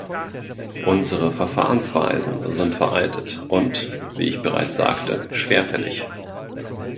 Unsere Verfahrensweisen sind veraltet und, wie ich bereits sagte, schwerfällig.